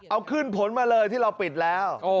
เอาขึ้นผลมาเลยที่เราปิดแล้ว